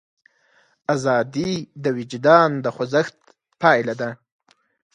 ازادي د وجدان د خوځښت پایله ده.